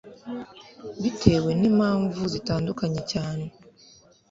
bitewe n'impamvu zitandukanye cyane